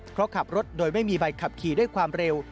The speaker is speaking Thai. เพราะขับรถโดยไม่มีใบขับขี่ด้วยความเร็ว